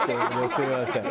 すみません。